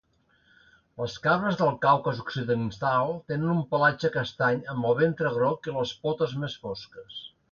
Les cabres del Caucas occidental tenen un pelatge castany amb el ventre groc i les potes més fosques.